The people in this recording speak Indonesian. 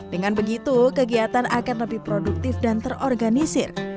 dengan begitu kegiatan akan lebih produktif dan terorganisir